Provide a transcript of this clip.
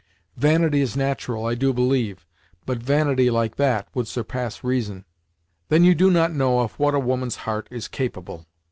Vanity is nat'ral, I do believe, but vanity like that, would surpass reason." "Then you do not know of what a woman's heart is capable!